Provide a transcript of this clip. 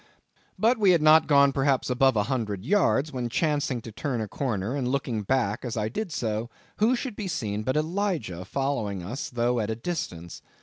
But we had not gone perhaps above a hundred yards, when chancing to turn a corner, and looking back as I did so, who should be seen but Elijah following us, though at a distance.